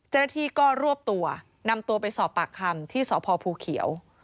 เจ้าหน้าที่ก็รวบตัวนำตัวไปสอบปากคำที่สพภูเขียว